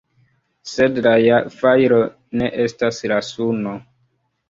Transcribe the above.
Sed la fajro ne estas la suno.